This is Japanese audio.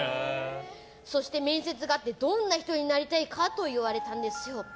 そして面接があってどんな人になりたいかと言われたんですよ。